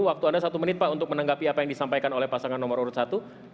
waktu anda satu menit pak untuk menanggapi apa yang disampaikan oleh pasangan nomor urut satu